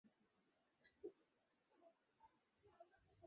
আমরা অবশ্যই দেবাকে বের করতে পারব।